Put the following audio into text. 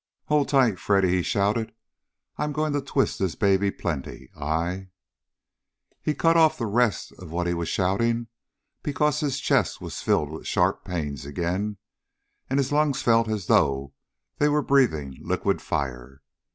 "Hold tight, Freddy!" he shouted. "I'm going to twist this baby plenty. I " He cut off the rest of what he was shouting because his chest was filled with sharp pains again, and his lungs felt as though they were breathing liquid fire.